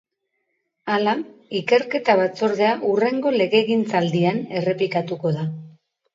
Hala, ikerketa batzordea hurrengo legegintzaldian errepikatuko da.